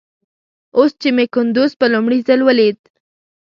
اوس چې مې کندوز په لومړي ځل وليد.